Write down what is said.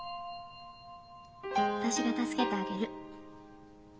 私が助けてあげる。